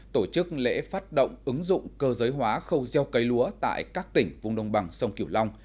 tổ chức lễ phát động ứng dụng cơ giới hóa khâu gieo cấy lúa tại các tỉnh vùng đồng bằng sông kiểu long